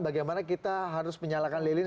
bagaimana kita harus menyalakan lilin